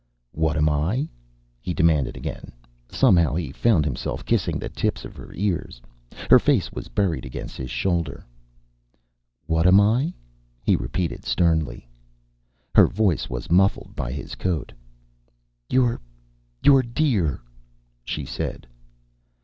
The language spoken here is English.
"What am I?" he demanded again. Somehow he found himself kissing the tips of her ears. Her face was buried against his shoulder. "What am I?" he repeated sternly. Her voice was muffled by his coat. "You're you're dear!" she said.